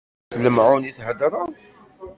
S lemεun i theddreḍ?